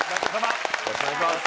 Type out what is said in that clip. よろしくお願いします。